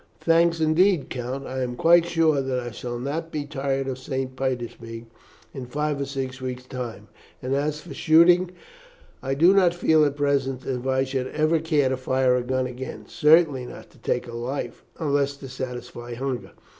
"Thanks, indeed, Count. I am quite sure that I shall not be tired of St. Petersburg in five or six weeks' time, and as for shooting, I do not feel at present as if I should ever care to fire a gun again, certainly not to take life, unless to satisfy hunger.